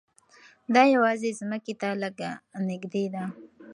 دا یوازې ځمکې ته لږ نږدې ده.